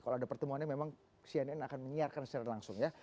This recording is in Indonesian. kalau ada pertemuannya memang cnn akan menyiarkan secara langsung ya